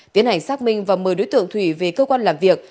tiến hành xác minh và mời đối tượng thủy về cơ quan làm việc